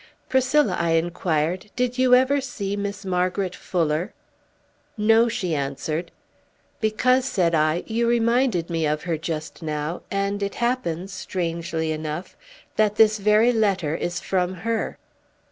"Priscilla," I inquired, "did you ever see Miss Margaret Fuller?" "No," she answered. "Because," said I, "you reminded me of her just now, and it happens, strangely enough, that this very letter is from her."